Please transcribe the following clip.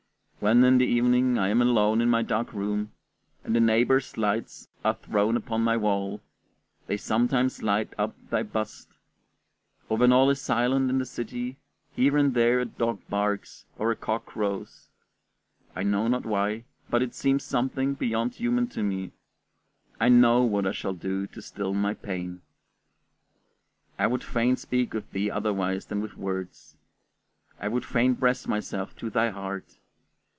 When, in the evening, I am alone in my dark room, and the neighbors' lights are thrown upon my wall, they sometimes light up thy bust; or when all is silent in the city, here and there a dog barks or a cock crows: I know not why, but it seems something beyond human to me; I know what I shall do to still my pain. I would fain speak with thee otherwise than with words; I would fain press myself to thy heart.